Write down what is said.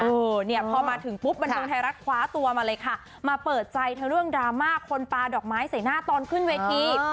เออเนี่ยพอมาถึงปุ๊บบันเทิงไทยรัฐคว้าตัวมาเลยค่ะมาเปิดใจเธอเรื่องดราม่าคนปลาดอกไม้ใส่หน้าตอนขึ้นเวที